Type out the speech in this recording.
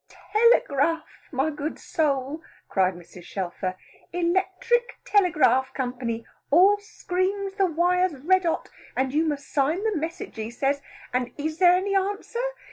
"Telegraph, my good soul," cried Mrs. Shelfer, "Electric Telegraph Company, all screams the wires red hot, and you must sign the message he says. And is there any answer?